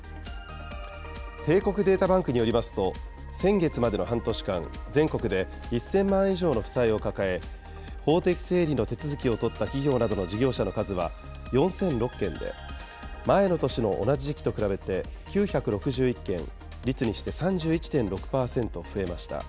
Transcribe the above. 帝国データバンクによりますと、先月までの半年間、全国で１０００万以上の負債を抱え、法的整理の手続きを取った企業などの事業者の数は４００６件で、前の年の同じ時期と比べて９６１件、率にして３１．６％増えました。